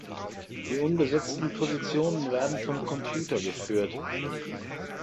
Die unbesetzten Positionen werden vom Computer geführt.